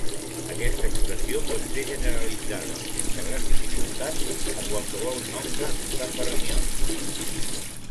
Aquesta expressió pot ser generalitzada sense gran dificultat a qualsevol nombre de fermions.